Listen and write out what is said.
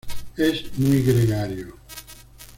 Es muy gregario.